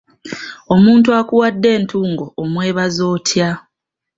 Omuntu akuwadde entungo omwebaza atya?